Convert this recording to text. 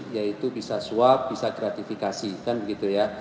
yaitu bisa swab bisa gratifikasi kan begitu ya